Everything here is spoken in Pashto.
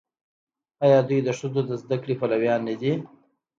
آیا دوی د ښځو د زده کړې پلویان نه دي؟